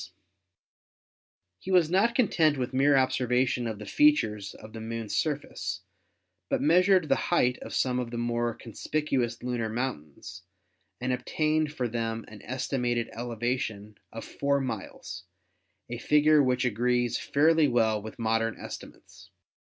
THE MOON 175 He was not content with mere observation of the features of the Moon's surface, but measured the height of some of the more conspicuous lunar mountains and obtained for them an estimated elevation of four miles, a figure which agrees fairly well with modern estimates.